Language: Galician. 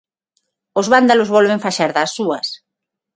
Os vándalos volven facer das súas.